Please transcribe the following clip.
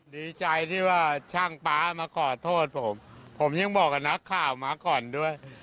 ดีใจที่ว่าช่างป๊ามาขอโทษผมผมยังบอกกับนักข่าวมาก่อนด้วย